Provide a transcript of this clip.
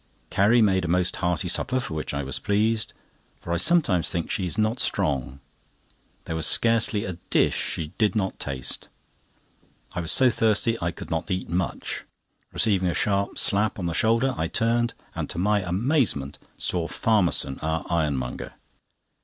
Carrie made a most hearty supper, for which I was pleased; for I sometimes think she is not strong. There was scarcely a dish she did not taste. I was so thirsty, I could not eat much. Receiving a sharp slap on the shoulder, I turned, and, to my amazement, saw Farmerson, our ironmonger.